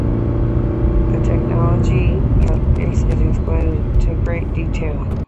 The Technology of Arde is explored in great detail.